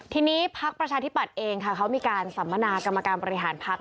ทีนี้พักประชาธิปัตย์เองค่ะเขามีการสัมมนากรรมการบริหารพัก